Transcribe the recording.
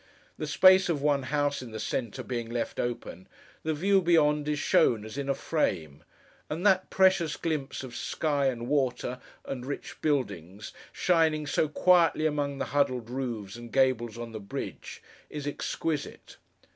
The space of one house, in the centre, being left open, the view beyond is shown as in a frame; and that precious glimpse of sky, and water, and rich buildings, shining so quietly among the huddled roofs and gables on the bridge, is exquisite.